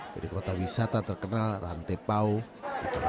dari kota wisata terkenal rantepau toraja utara